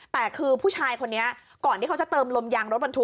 แต่คือผู้ชายคนนี้ก่อนที่เขาจะเติมลมยางรถบรรทุก